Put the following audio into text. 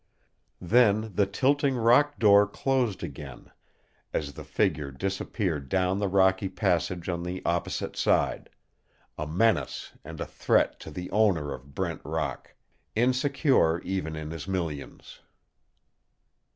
Then the tilting rock door closed again, as the figure disappeared down the rocky passage on the opposite side a menace and a threat to the owner of Brent Rock, insecure even in his millions.